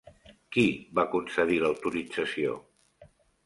Qui va concedir l'autorització?